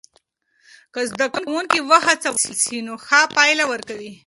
که زده کوونکي وهڅول سی نو ښه پایله ورکوي.